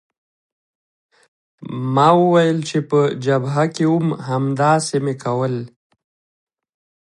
ما وویل چې په جبهه کې وم همداسې مې کول.